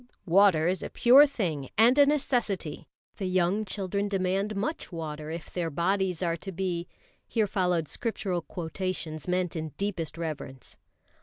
"Water is a pure thing and a necessity. The young children demand much water if their bodies are to be" here followed Scriptural quotations meant in deepest reverence.